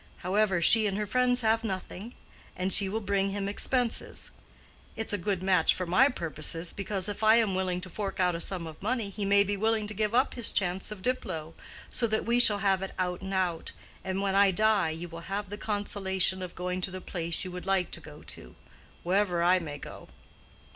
"However, she and her friends have nothing, and she will bring him expenses. It's a good match for my purposes, because if I am willing to fork out a sum of money, he may be willing to give up his chance of Diplow, so that we shall have it out and out, and when I die you will have the consolation of going to the place you would like to go to—wherever I may go."